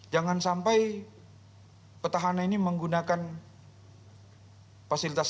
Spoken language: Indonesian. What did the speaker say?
jangan sampai petahana ini menggunakan fasilitas